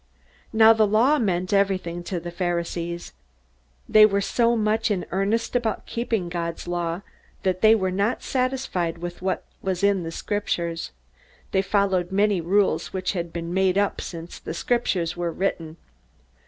Now the Law meant everything to the Pharisees. They were so much in earnest about keeping God's Law that they were not satisfied with what was in the Scriptures. They followed many rules which had been made up since the Scriptures were written.